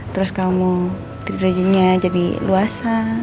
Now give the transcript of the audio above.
terus kamu rejimnya jadi luasa